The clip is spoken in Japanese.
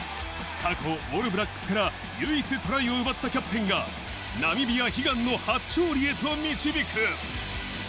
オールブラックスから唯一トライを奪ったキャプテンがナミビア悲願の初勝利へと導く。